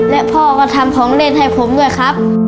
และพ่อก็ทำของเล่นให้ผมด้วยครับ